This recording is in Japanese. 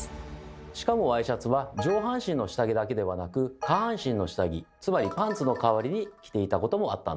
しかもワイシャツは上半身の下着だけではなく下半身の下着つまりパンツの代わりに着ていたこともあったんです。